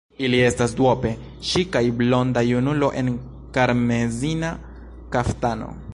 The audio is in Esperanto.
Ili estas duope: ŝi kaj blonda junulo en karmezina kaftano.